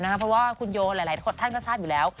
เพราะว่าคุณโยหลายท่านก็ทราบอยู่แล้ว